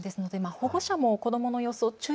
保護者も子どもの様子を注意